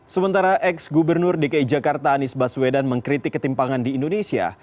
sementara ex gubernur dki jakarta anies baswedan mengkritik ketimpangan di indonesia